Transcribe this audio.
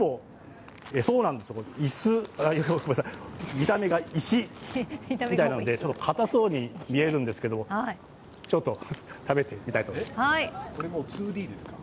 見た目が石なのでちょっと硬そうに見えるんですけど食べてみたいと思います。